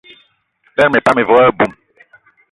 Lerma epan ive wo aboum.